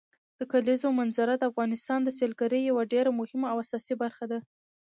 د کلیزو منظره د افغانستان د سیلګرۍ یوه ډېره مهمه او اساسي برخه ده.